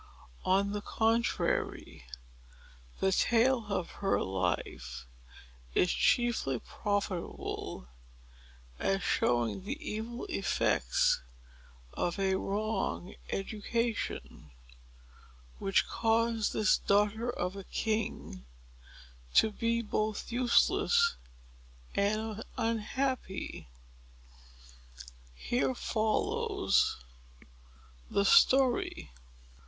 On the contrary, the tale of her life is chiefly profitable as showing the evil effects of a wrong education, which caused this daughter of a king to be both useless and unhappy. Here follows the story.